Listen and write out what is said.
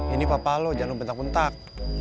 ini papa lu jangan lu bentak bentak